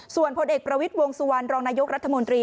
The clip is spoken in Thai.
ส่วนพลเอกประวิทย์วงสุวรรณรองนายกรัฐมนตรี